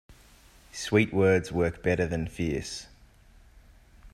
Sweet words work better than fierce.